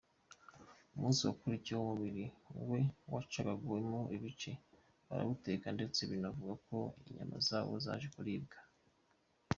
Umunsi wakurikiyeho umubiri we wacagaguwemo ibice, barawuteka ndetse binavugwa ko inyama zawo zaje kuribwa.